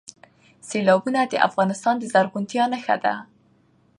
سیلابونه د افغانستان د زرغونتیا نښه ده.